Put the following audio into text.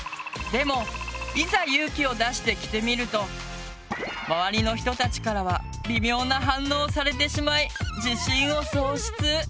でもいざ勇気を出して着てみると周りの人たちからは微妙な反応をされてしまい自信を喪失。